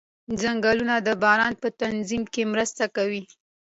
ځنګلونه د باران په تنظیم کې مرسته کوي